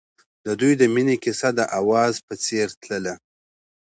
د دوی د مینې کیسه د اواز په څېر تلله.